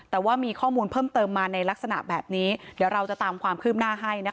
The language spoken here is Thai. แต่ว่ามีข้อมูลเพิ่มเติมมาในลักษณะแบบนี้เดี๋ยวเราจะตามความคืบหน้าให้นะคะ